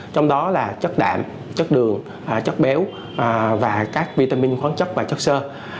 trong đó là chất đạn chất đường chất béo và các vitamin khoáng chất và chất sơ